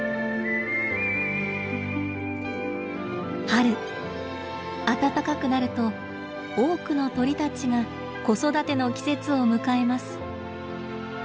春暖かくなると多くの鳥たちが子育ての季節を迎えます。